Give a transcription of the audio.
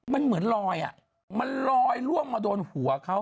มันเหมือนลอยมันลอยล่วงมาโดนหัวเขา